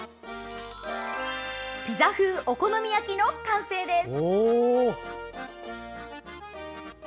ピザ風お好み焼きの完成です。